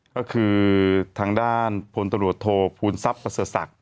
ก็คือทางด้านพลตรวจโทษภูมิทรัพย์ประเสริฐศักดิ์